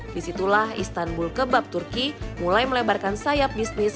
disitulah istanbul kebab turki mulai melebarkan sayap bisnis